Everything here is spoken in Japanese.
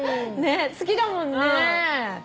好きだもんね。